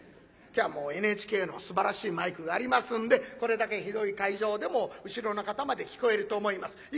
今日はもうＮＨＫのすばらしいマイクがありますんでこれだけ広い会場でも後ろの方まで聞こえると思います。